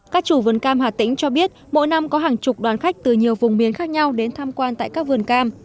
các chủ vườn cam hà tĩnh cho biết mỗi năm có hàng chục đoàn khách từ nhiều vùng miền khác nhau đến tham quan tại các vườn cam